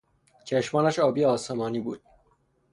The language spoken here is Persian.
چشمانش آبی آسمانی بود.